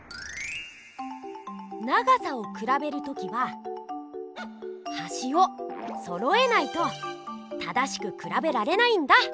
長さをくらべる時ははしをそろえないと正しくくらべられないんだ！